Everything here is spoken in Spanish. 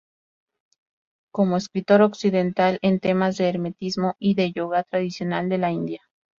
Como escritor Occidental en temas de Hermetismo y de Yoga tradicional de la India.